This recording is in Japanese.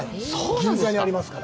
銀座にありますから。